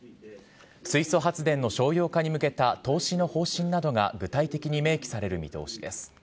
水素発電の商用化に向けた投資の方針などが具体的に明記される見通しです。